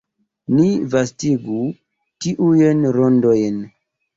Ni vastigu tiujn rondojn.